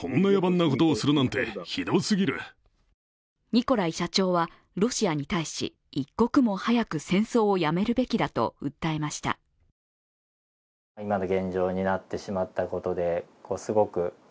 ニコライ社長はロシアに対し一刻も早く戦争をやめるべきだと訴えました。